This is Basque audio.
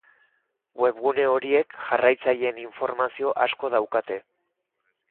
Webgune horiek jarraitzaileen informazio asko daukate.